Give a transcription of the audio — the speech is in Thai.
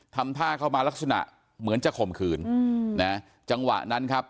ทำท่าเข้ามาลักษณะเหมือนจะข่มขืนนะจังหวะนั้นครับ